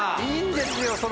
いいんですよ